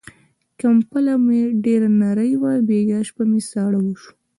کمپله مې ډېره نری وه، بيګاه شپه مې ساړه وشو.